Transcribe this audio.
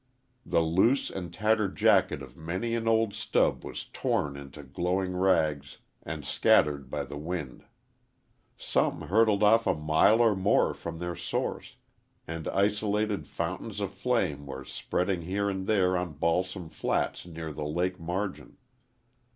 The loose and tattered jacket of many an old stub was tom into glowing rags and scattered by the wind. Some hurtled off a mile or more from their source, and isolated fountains of flame were spreading here and there on balsam flats near the lake margin.